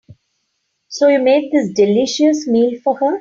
So, you made this delicious meal for her?